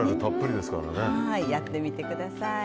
やってみてください。